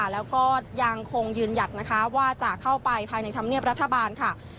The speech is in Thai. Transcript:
แล้วก็ยังคงยืนหยัดนะคะว่าจะเข้าไปภายในธรรมเนียบรัฐบาลค่ะ